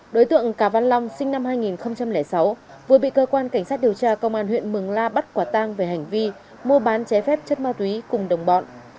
đối tượng cà văn long sinh năm hai nghìn sáu vừa bị cơ quan cảnh sát điều tra công an huyện mường la bắt quả tang về hành vi mua bán chế phép chất ma túy cùng đồng bọn